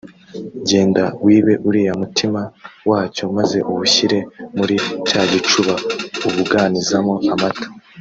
“genda wibe uriya mutima wacyo maze uwushyire muri cya gicuba ubuganizamo amata”